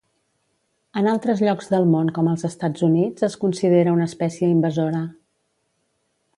En altres llocs del món com els Estats Units es considera una espècie invasora.